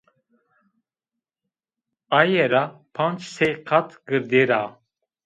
Aye ra panc sey qat girdêr a